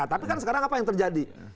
tapi kan sekarang apa yang terjadi